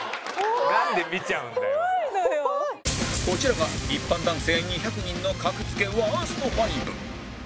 こちらが一般男性２００人の格付けワースト５